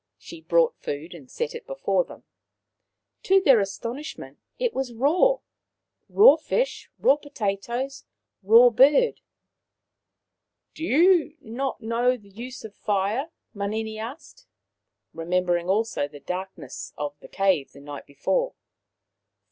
She brought food and set it before them. To their astonish ment, it was raw — raw fish, raw potatoes, raw The Island and the Taniwha 17* bird. " Do you not know the use of fire ?" Manini asked, remembering also the darkness of the cave the night before.